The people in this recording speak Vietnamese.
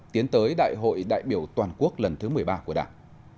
tiến tới đại hội đại biểu toàn quốc lần thứ một mươi ba của đảng